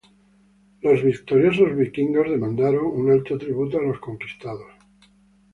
Los victoriosos vikingos demandaron un alto tributo a los conquistados.